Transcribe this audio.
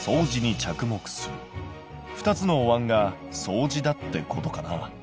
２つのおわんが相似だってことかな。